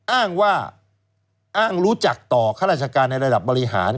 อ้างว่าอ้างรู้จักต่อข้าราชการในระดับบริหาร